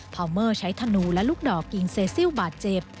พอเมอร์ใช้ธนูและลูกดอกยิงเซซิลบาดเจ็บ